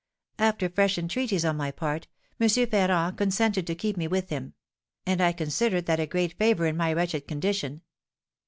After fresh entreaties on my part, M. Ferrand consented to keep me with him; and I considered that a great favour in my wretched condition.